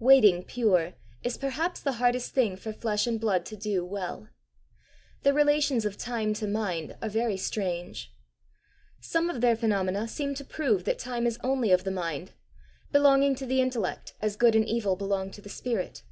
Waiting pure is perhaps the hardest thing for flesh and blood to do well. The relations of time to mind are very strange. Some of their phenomena seem to prove that time is only of the mind belonging to the intellect as good and evil belong to the spirit.